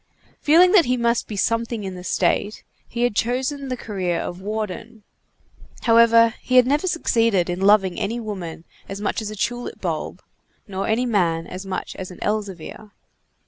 Feeling that he must be something in the State, he had chosen the career of warden. However, he had never succeeded in loving any woman as much as a tulip bulb, nor any man as much as an Elzevir.